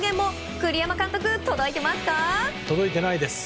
栗山監督、届いていますか？